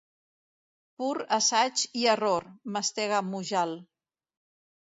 Pur assaig i error —mastega Mujal.